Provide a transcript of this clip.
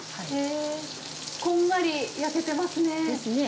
こんがり焼けてますね。ですね。